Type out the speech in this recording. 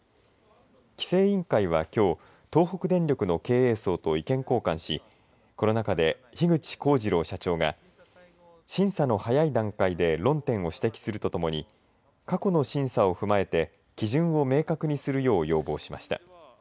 規制委員会は、きょう東北電力の経営層と意見交換しこの中で、樋口康二郎社長が審査の早い段階で論点を指摘するとともに過去の審査を踏まえて基準を明確にするよう要望しました。